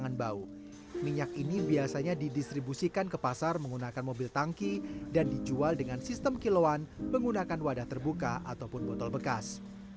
minyak ini biasanya didistribusikan ke pasar menggunakan mobil tangki dan dijual dengan sistem kiloan menggunakan wadah terbuka ataupun botol bekas